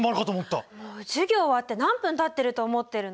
もう授業終わって何分たってると思ってるの？